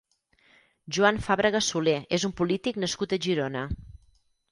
Joan Fàbrega Solé és un polític nascut a Girona.